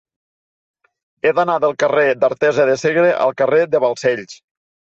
He d'anar del carrer d'Artesa de Segre al carrer de Balcells.